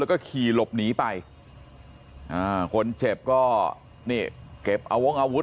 แล้วก็ขี่หลบหนีไปอ่าคนเจ็บก็นี่เก็บเอาวงอาวุธ